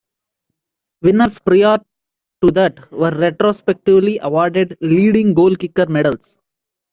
Winners prior to that were retrospectively awarded Leading Goalkicker Medals.